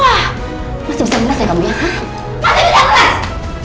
wah masih bisa meras ya kamu ya masih bisa meras